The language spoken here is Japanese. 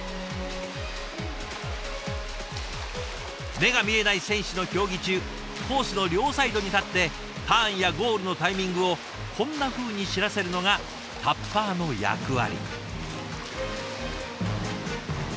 目が見えない選手の競技中コースの両サイドに立ってターンやゴールのタイミングをこんなふうに知らせるのがタッパーの役割。